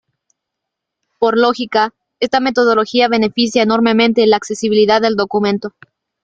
Por lógica, esta metodología beneficia enormemente la accesibilidad del documento.